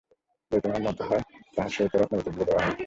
যদি তোমার মত হয় তাহার সহিত রত্নাবতীর বিবাহ দেওয়া যায়।